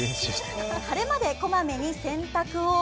晴れ間でこまめに洗濯を。